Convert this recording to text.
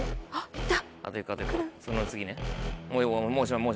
いった！